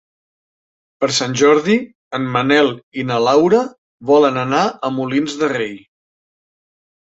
Per Sant Jordi en Manel i na Laura volen anar a Molins de Rei.